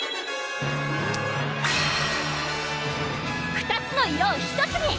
２つの色を１つに！